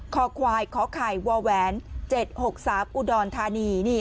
คอควายขอไข่วแหวน๗๖๓อุดรธานี